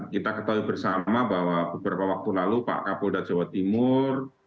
kita ketahui bersama bahwa beberapa waktu lalu pak kapolda jawa timur